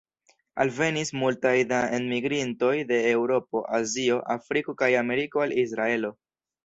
Alvenis multaj da enmigrintoj de Eŭropo, Azio, Afriko kaj Ameriko al Israelo.